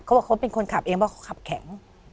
เขาเป็นคนขับเองเพราะเขาขับแข็ง